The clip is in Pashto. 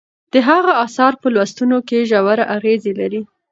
د هغه اثار په لوستونکو ژور اغیز لري.